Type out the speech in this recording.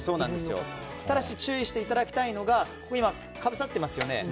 ただし注意していただきたいのが今、かぶさってますよね